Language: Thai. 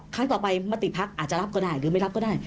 ครั้งต่อไปมติภักดิ์อาจจะรับก็ได้หรือไม่รับก็ได้